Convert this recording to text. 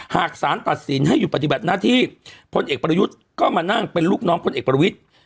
หากสารตัดสินให้หยุดปฏิบัติหน้าที่พลเอกประยุทธ์ก็มานั่งเป็นลูกน้องพลเอกประวิทธิ์